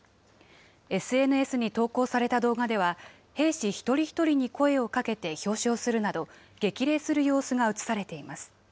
ＳＮＳに投稿された動画では、兵士一人一人に声をかけて表彰するなど、激励する様子が写されています。